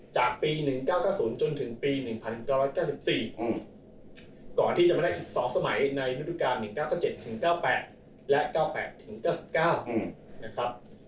จากปี๑๙๙๐จนถึงปี๑๙๙๔ก่อนที่จะมาได้อีก๒สมัยในฤดูการ๑๙๙๗ถึง๙๘และ๙๘๙๙นะครับ